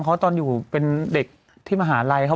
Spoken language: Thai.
เขาตอนอยู่เป็นเด็กที่มหาลัย